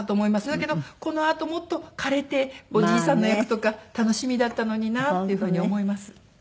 だけどこのあともっと枯れておじいさんの役とか楽しみだったのになっていう風に思います。